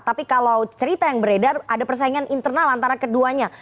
tapi kalau cerita yang beredar ada persaingan internal antara keduanya